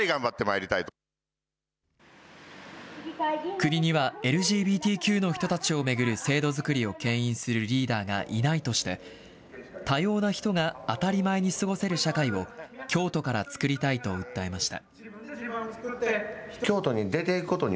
国には、ＬＧＢＴＱの人たちを巡る制度作りをけん引するリーダーがいないとして、多様な人が当たり前に過ごせる社会を、京都から作りたいと訴えました。